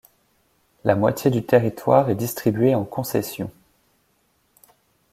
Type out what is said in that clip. La moitié du territoire est distribué en concessions.